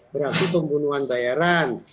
berarti pembunuhan bayaran